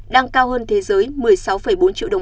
đang cao hơn thế giới một mươi sáu bốn triệu đồng